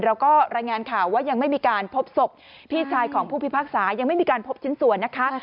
รายงานข่าวว่ายังไม่มีการพบศพพี่ชายของผู้พิพากษายังไม่มีการพบชิ้นส่วนนะคะ